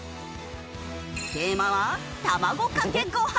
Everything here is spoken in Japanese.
テーマは卵かけご飯。